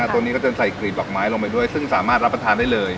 ตัวนี้ก็จะใส่กรีดดอกไม้ลงไปด้วยซึ่งสามารถรับประทานได้เลย